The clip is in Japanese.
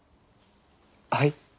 はい？